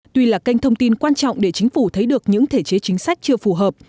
tuy là kênh thông tin quan trọng để chính phủ thấy được những thể chế chính sách chưa phù hợp